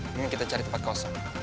kemudian kita cari tempat kosong